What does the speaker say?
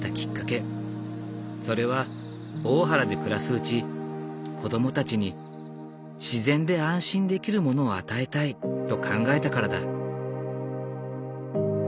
それは大原で暮らすうち子供たちに自然で安心できるものを与えたいと考えたからだ。